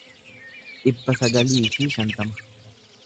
dhibba sagalii fi shantama